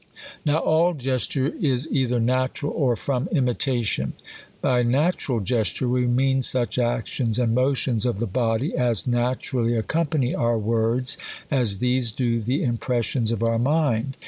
Now all gesture is either natural, or from imitation. By natural gesture, we mean such actions and motions of the body, as naturally accom pany our words, as these do the impressions of our mind.